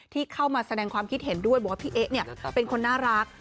ที่เข้ามาแสดงความคิดเห็นด้วยบอกว่าพี่เอ๊ะเป็นคนน่ารัก